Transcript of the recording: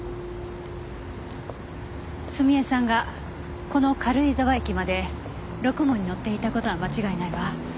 澄江さんがこの軽井沢駅までろくもんに乗っていた事は間違いないわ。